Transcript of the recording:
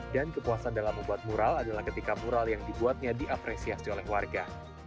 dan kepuasan dalam membuat mural adalah ketika mural yang dibuatnya diapresiasi oleh warga